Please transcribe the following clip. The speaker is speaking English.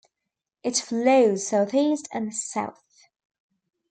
It flows southeast and south.